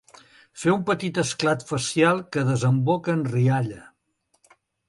Fer un petit esclat facial que desemboca en rialla.